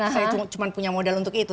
saya cuma punya modal untuk itu